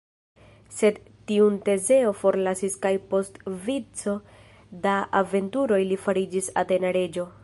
Sed tiun Tezeo forlasis kaj post vico da aventuroj li fariĝis atena reĝo.